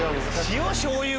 塩しょうゆ